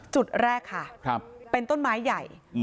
จุดแรกค่ะเป็นต้นไม้ใหญ่